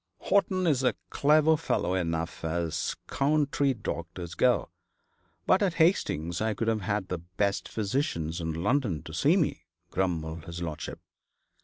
'Horton is a clever fellow enough, as country doctors go; but at Hastings I could have had the best physicians in London to see me,' grumbled his lordship.